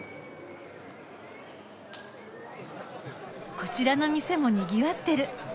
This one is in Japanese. こちらの店もにぎわってる。